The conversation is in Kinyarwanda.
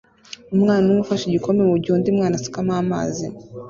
Umwana umwe ufashe igikombe mugihe undi mwana asukamo amazi